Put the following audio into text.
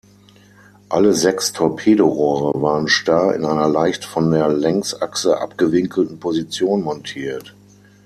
Alle sechs Torpedorohre waren starr in einer leicht von der Längsachse abgewinkelten Position montiert.